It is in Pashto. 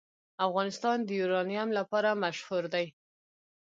افغانستان د یورانیم لپاره مشهور دی.